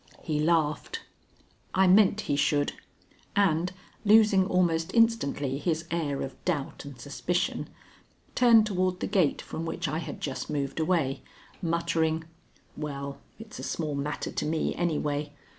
He laughed. I meant he should, and, losing almost instantly his air of doubt and suspicion, turned toward the gate from which I had just moved away, muttering: "Well, it's a small matter to me anyway.